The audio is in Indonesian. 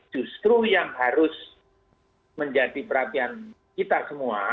justru yang harus menjadi perhatian kita semua